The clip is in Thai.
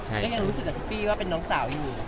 ก็ยังรู้สึกกับซิปปี้ว่าเป็นน้องสาวอยู่